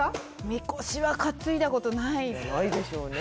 神輿は担いだことないないでしょうね